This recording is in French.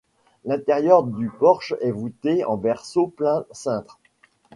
L'intérieur du porche est voûté en berceau plein cintre.